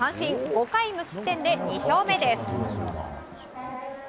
５回無失点で２勝目です。